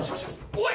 おい！